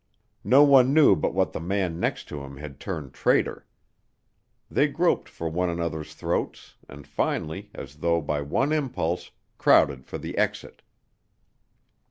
No one knew but what the man next to him had turned traitor. They groped for one another's throats and finally, as though by one impulse, crowded for the exit.